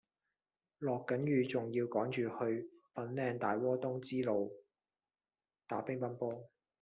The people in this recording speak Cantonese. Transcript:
落緊雨仲要趕住去粉嶺大窩東支路打乒乓波